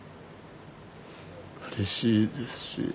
うれしいですし。